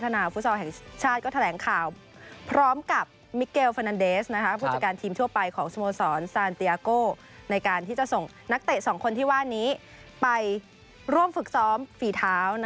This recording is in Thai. ในการที่จะส่งนักเตะ๒คนที่ว่านี้ไปร่วมฝึกซ้อมฝีเท้า